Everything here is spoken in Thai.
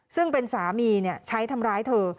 ซึ่งเป็นสามีใช้ทำร้ายเธอ